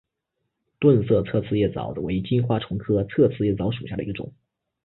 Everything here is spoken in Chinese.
钝色侧刺叶蚤为金花虫科侧刺叶蚤属下的一个种。